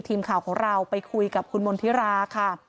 ทีมข่าวของเราไปคุยกับคุณมณฑิราค่ะ